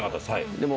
でも。